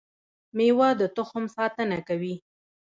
مېوه د تخم ساتنه کوي